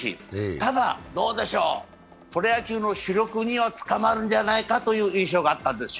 ただ、どうでしょう、プロ野球の主力には捕まるんじゃないかという記憶はあったんですよ。